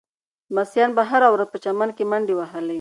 لمسیانو به هره ورځ په چمن کې منډې وهلې.